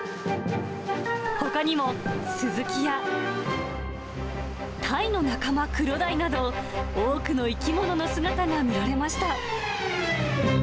ほかにもスズキやタイの仲間、クロダイなど、多くの生き物の姿が見られました。